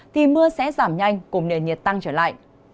thì mưa sẽ giảm nhanh cùng nền nhiệt tăng trở lại